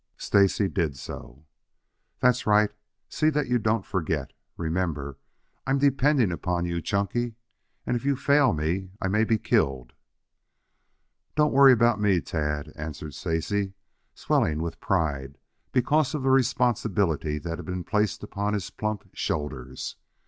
Stacy did so. "That's right. See that you don't forget. Remember, I'm depending upon you, Chunky, and if you fail me, I may be killed." "Don't you worry about me, Tad," answered Stacy, swelling with pride because of the responsibility that had been placed upon his plump shoulders.